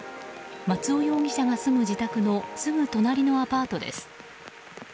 松尾容疑者が住む自宅のすぐ隣のアパートです。